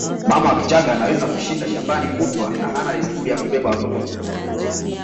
Mama wa Kichagga anaweza kushinda shambani kutwa na hana desturi ya kubeba watoto mgongoni